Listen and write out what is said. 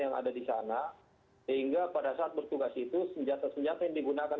yang ada di sana sehingga pada saat bertugas itu senjata senjata yang digunakan